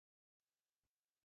Sir, আমাকে ছাড়ুন।